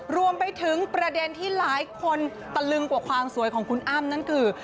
รวมไปถึงประเด็นที่หลายคนตะลึงกว่าความสวยของคุณอ้ำนั่นคือ